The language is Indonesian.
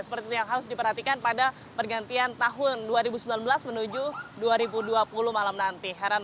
seperti itu yang harus diperhatikan pada pergantian tahun dua ribu sembilan belas menuju dua ribu dua puluh malam nanti